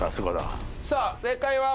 さあ正解は。